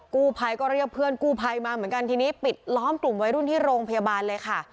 กู้ภัยก็เรียกเพื่อนกู้ภัยมาเหมือนกันทีนี้ปิดล้อมกลุ่มวัยรุ่นที่โรงพยาบาลเลยค่ะ